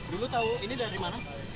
dulu tahu ini dari mana